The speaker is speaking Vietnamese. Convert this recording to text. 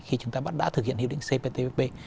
khi chúng ta đã thực hiện hiệu định cptpp